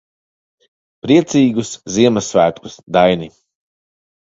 Priecīgus Ziemassvētkus, Daini.